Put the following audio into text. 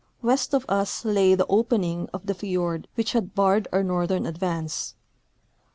AVest of us lay the opening of the fiord Avhich had barred our northern advance.